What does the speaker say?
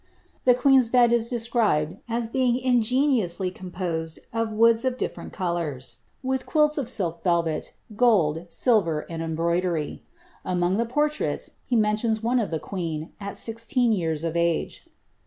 The queen's bed is described as being ingeniously com posed of woods of dilferent colours, with quills of silk velvet, gold, silver, and embroider}'. Among ilie portraits, he mentions one of the queen, at sixteen years of age.